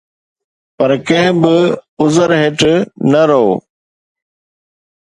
پر ڪنهن به عذر هيٺ نه روءِ